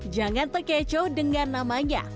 jangan terkecoh dengan namanya